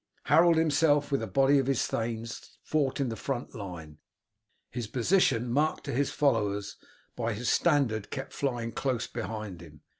Harold himself with a body of his thanes fought in the front line, his position marked to his followers by his standard kept flying close behind him.